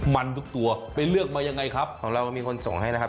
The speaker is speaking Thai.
มันทุกตัวไปเลือกมายังไงครับของเรามีคนส่งให้นะครับ